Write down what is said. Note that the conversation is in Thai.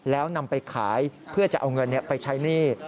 แล้วนำไปขายเพื่อจะเอาเงินไปใช้หนี้